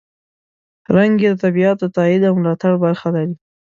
رنګ یې د طبیعت د تاييد او ملاتړ برخه لري.